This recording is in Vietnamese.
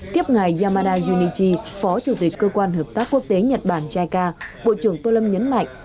tiếp ngày yamada junichi phó chủ tịch cơ quan hợp tác quốc tế nhật bản jica bộ trưởng tô lâm nhấn mạnh